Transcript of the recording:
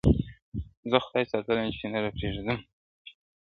زۀ خداى ساتلمه چي نۀ راپرېوتم او تلمه,